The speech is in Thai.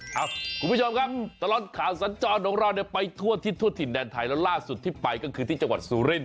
คุณผู้ชมครับตลอดข่าวสัญจรของเราเนี่ยไปทั่วทิศทั่วถิ่นแดนไทยแล้วล่าสุดที่ไปก็คือที่จังหวัดสุรินท